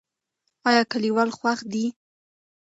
ایا کلیوال خوښ دي؟